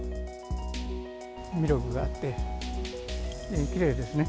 魅力があって、きれいですね。